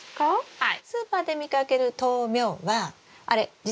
はい。